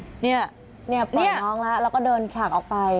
อืมเนี่ยเนี่ยปล่อยน้องแล้วก็เดินผลากออกไป